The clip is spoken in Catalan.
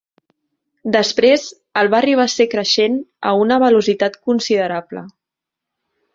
Després el barri va ser creixent a una velocitat considerable.